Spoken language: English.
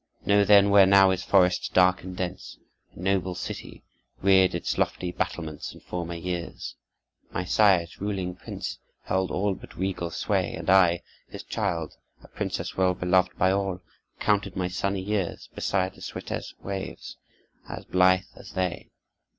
"Know then, where now is forest dark and dense, a noble city reared its lofty battlements in former years. My sire, its ruling prince, held all but regal sway; and I, his child, a princess well beloved by all, counted my sunny years beside the Switez waves, as blithe as they.